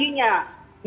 ini banyak orang sekarang